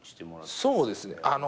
そうですね。